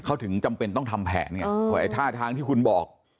เขาถึงจำเป็นต้องทำแผนไงว่าไอ้ท่าทางที่คุณบอก